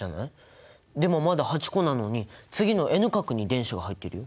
でもまだ８個なのに次のＮ殻に電子が入ってるよ。